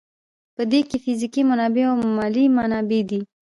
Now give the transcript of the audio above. په دې کې فزیکي منابع او مالي منابع دي.